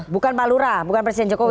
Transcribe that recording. bukan pak lurah bukan presiden jokowi